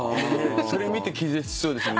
それ見て気絶しそうですもん。